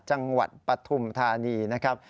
จังหวัดปฐุมธานีนะครับ